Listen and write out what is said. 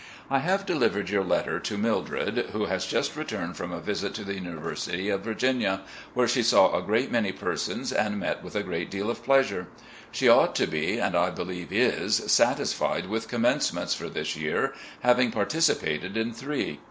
. I have delivered your letter to Mildred, who has just returned from a visit to the University of Virginia, where she saw a great many persons and met with a great deal of pleasure. She ought to be, and I believe is, satisfied with commencements for this year, having par ticipated in three.